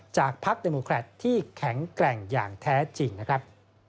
จากพักเดโมแครตที่แข็งแกร่งอย่างแท้จริงนะครับ